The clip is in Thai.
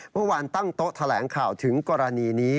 เมื่อวานตั้งโต๊ะแถลงข่าวถึงกรณีนี้